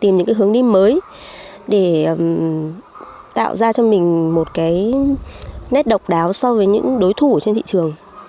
tìm những hướng đi mới để tạo ra cho mình một cái nét độc đáo so với những đối thủ trên thị trường